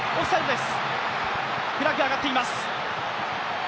フラッグ上がっています。